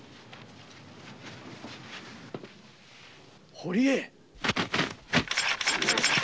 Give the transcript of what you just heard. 堀江⁉